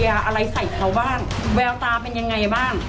อะไรใส่เขาบ้างแววตาเป็นยังไงบ้าง